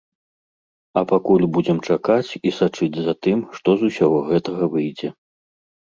А пакуль будзем чакаць і сачыць за тым, што з усяго гэтага выйдзе.